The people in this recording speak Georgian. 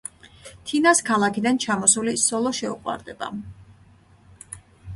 თინას ქალაქიდან ჩამოსული სოლო შეუყვარდება.